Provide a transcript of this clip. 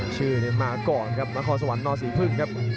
ชื่อมาก่อนครับมะคอสวรรค์นสีพึ่งครับ